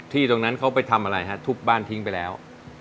ตรงนั้นเขาไปทำอะไรฮะทุบบ้านทิ้งไปแล้ว